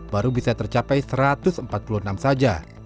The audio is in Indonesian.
baru bisa tercapai satu ratus empat puluh enam saja